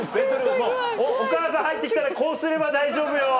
お母さん入って来たらこうすれば大丈夫よ！